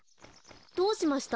どうしました？